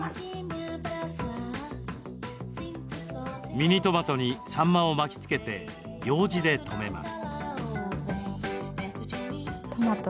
ミニトマトにサンマを巻きつけてようじで留めます。